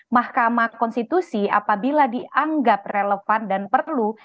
mahkamah konstitusi apabila dianggap relevan dan perlu